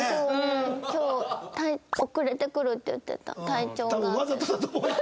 今日遅れて来るって言ってた「体調が」って。